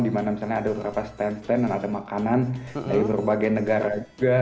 dimana misalnya ada beberapa stand stand yang ada makanan dari berbagai negara juga